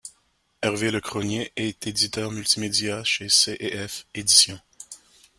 Hervé Le Crosnier est éditeur multimédia chez C&F éditions.